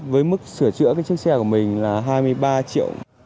với mức sửa chữa cái chiếc xe của mình là hai mươi ba triệu